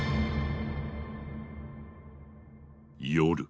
夜。